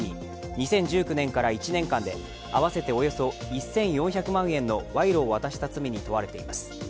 ２０１９年から１年間で合わせておよそ１４００万円の賄賂を渡した罪に問われています。